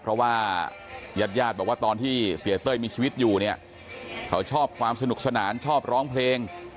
เพราะว่ายาดบอกว่าตอนที่เสียเต้ยมีชีวิตอยู่เนี่ยเขาชอบความสนุกสนานชอบร้องเพลง